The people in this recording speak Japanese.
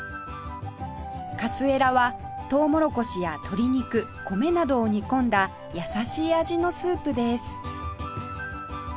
カスエラはトウモロコシや鶏肉米などを煮込んだ優しい味のスープです